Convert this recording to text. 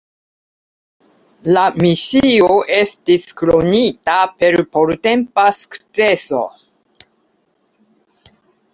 La misio estis kronita per portempa sukceso.